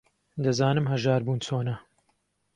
دەزانم ھەژار بوون چۆنە.